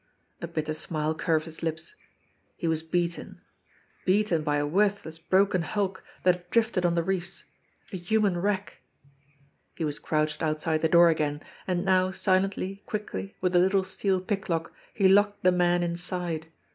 A bitter smile curved his lips. He was beaten beaten by a worthless, broken hulk that had drifted on the reefs a human wreck! He was crouched outside the door again, and now silently, quickly, with the little steel pick lock, he locked the men in side.